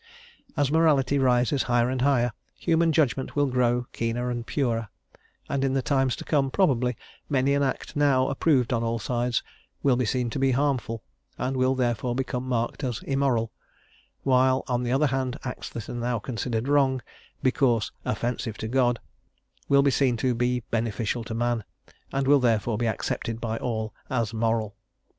As morality rises higher and higher, human judgment will grow keener and purer, and in the times to come probably many an act now approved on all sides will be seen to be harmful, and will therefore become marked as immoral, while, on the other hand, acts that are now considered wrong, because "offensive to God," will be seen to be beneficial to man, and will therefore be accepted by all as moral.